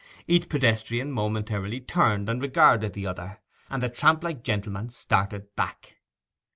Each pedestrian momentarily turned and regarded the other, and the tramp like gentleman started back.